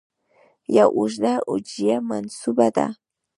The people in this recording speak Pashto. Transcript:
یو اوږده هجویه منسوبه ده.